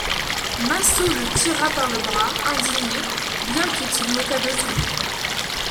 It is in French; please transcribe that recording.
Massot le tira par le bras, indigné, bien qu'il se moquât de tout.